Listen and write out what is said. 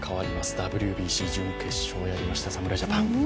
ＷＢＣ準決勝勝ちました侍ジャパン。